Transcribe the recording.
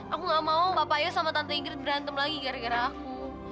aku nggak mau bapak yos sama tante ingrid berantem lagi gara gara aku